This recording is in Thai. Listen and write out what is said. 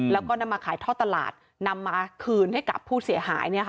แล้วก็นำมาขายท่อตลาดนำมาคืนให้กับผู้เสียหาย